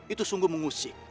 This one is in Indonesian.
itu sungguh mengusik